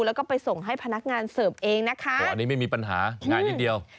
แล้วก็ไปส่งให้พนักงานเสิร์ฟเองนะคะตัวอันนี้ไม่มีปัญหาง่ายนิดเดียว